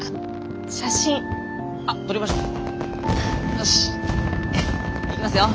よしいきますよ！